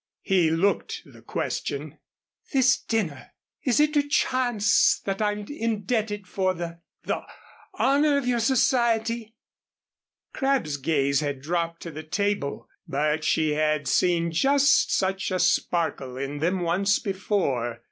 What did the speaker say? He looked the question. "This dinner. Is it to chance that I'm indebted for the the honor of your society?" Crabb's gaze had dropped to the table, but she had seen just such a sparkle in them once before.